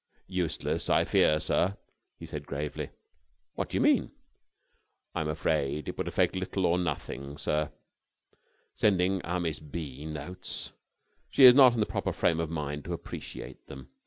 "Useless, I fear, sir," he said gravely. "What do you mean?" "I am afraid it would effect little or nothing, sir, sending our Miss B. notes. She is not in the proper frame of mind to appreciate them.